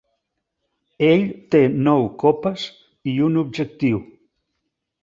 Ell té nou copes i un objectiu.